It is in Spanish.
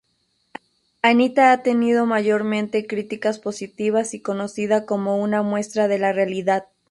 Anita ha tenido mayormente críticas positivas y conocida como una muestra de la realidad.